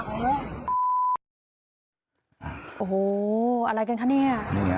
โอ้โหอะไรกันคะเนี่ย